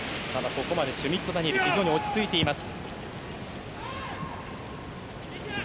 ここまでシュミット・ダニエル非常に落ち着いています。